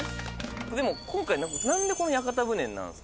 でも今回何でこの屋形船なんですか？